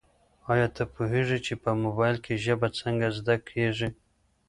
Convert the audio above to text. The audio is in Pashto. ایا ته پوهېږې چي په موبایل کي ژبه څنګه زده کیږي؟